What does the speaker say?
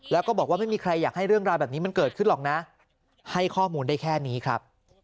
แล้วก็บอกว่าไม่มีใครอยากให้เรื่องราวแบบนี้มันเกิดขึ้นหรอกนะให้ข้อมูลได้แค่นี้ครับ